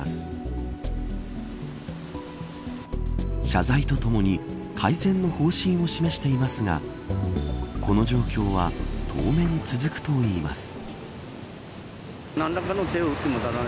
謝罪とともに改善の方針を示していますがこの状況は当面続くといいます。